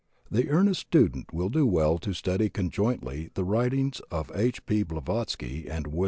The earnest student will do well to study conjointly the writings of H. P. Blavatsky and Wm.